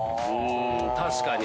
確かに。